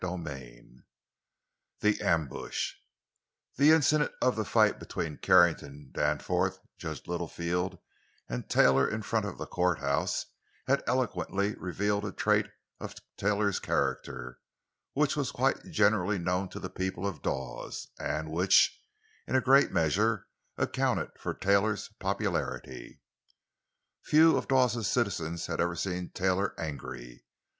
CHAPTER XIX—THE AMBUSH The incident of the fight between Carrington, Danforth, Judge Littlefield, and Taylor in front of the courthouse had eloquently revealed a trait of Taylor's character which was quite generally known to the people of Dawes, and which, in a great measure, accounted for Taylor's popularity. Few of Dawes's citizens had ever seen Taylor angry.